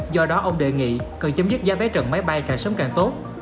do đó ông đề nghị cần chấm dứt giá vé trần máy bay càng sớm càng tốt